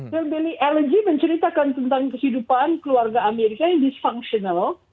hillbilly elegy menceritakan tentang kehidupan keluarga amerika yang dysfunctional